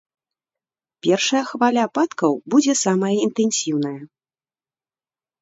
Першая хваля ападкаў будзе самая інтэнсіўная.